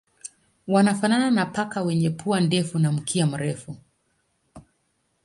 Wanafanana na paka wenye pua ndefu na mkia mrefu.